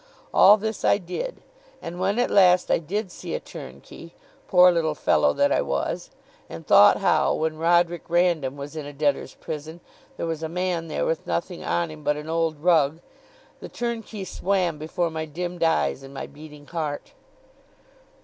All this I did; and when at last I did see a turnkey (poor little fellow that I was!), and thought how, when Roderick Random was in a debtors' prison, there was a man there with nothing on him but an old rug, the turnkey swam before my dimmed eyes and my beating heart.